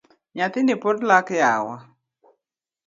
Nyathini pod lak yawa